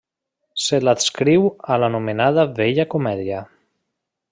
Se l'adscriu a l'anomenada vella comèdia.